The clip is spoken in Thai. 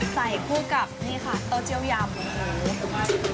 ใส่คู่กับนี่ค่ะโต๊ะเจี๊ยวยาหมู